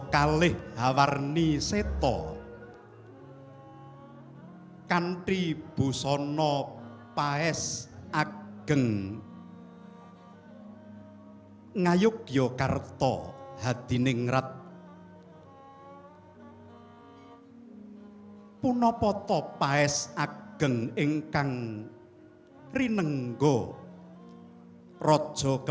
kereta berjalan diirinya dengan suara pak